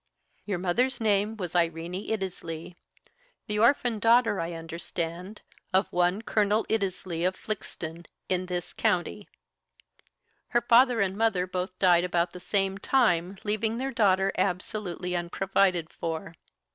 "Your mother's name was Irene Iddesleigh, the orphan daughter, I understand, of one Colonel Iddesleigh, of Flixton, in this county. Her father and mother both died about the same time, leaving their daughter absolutely unprovided for.